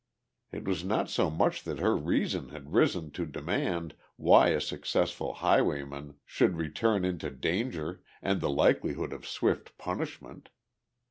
It was not so much that her reason had risen to demand why a successful highwayman should return into danger and the likelihood of swift punishment.